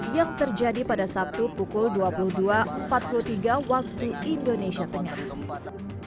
yang terjadi pada sabtu pukul dua puluh dua empat puluh tiga wib